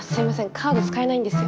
カード使えないんですよ。